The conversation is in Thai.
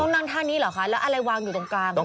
นั่งท่านี้เหรอคะแล้วอะไรวางอยู่ตรงกลาง